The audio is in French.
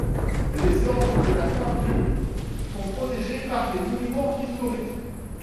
Les orgues de la fin du sont protégés par les monuments historiques.